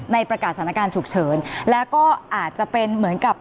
ประกาศสถานการณ์ฉุกเฉินแล้วก็อาจจะเป็นเหมือนกับ